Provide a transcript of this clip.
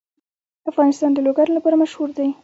افغانستان د لوگر لپاره مشهور دی.